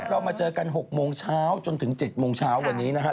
เรามาเจอกัน๖โมงเช้าจนถึง๗โมงเช้าวันนี้นะฮะ